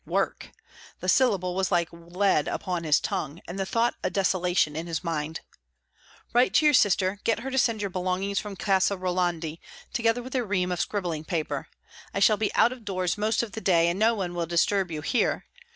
Work! The syllable was like lead upon his tongue, and the thought a desolation in his mind. "Write to your sister; get her to send your belongings from Casa Rolandi, together with a ream of scribbling paper. I shall be out of doors most of the day, and no one will disturb you here.